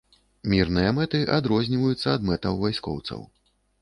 Мірныя мэты адрозніваюцца ад мэтаў вайскоўцаў.